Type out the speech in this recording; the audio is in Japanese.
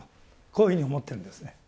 こういうふうに思ってるんですね。